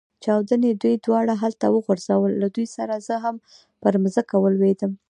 چاودنې دوی دواړه هلته وغورځول، له دوی سره زه هم پر مځکه ولوېدم.